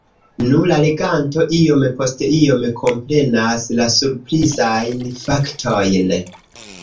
Nu, la leganto iom post iom komprenas la surprizajn faktojn.